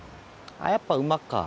やっぱ馬か。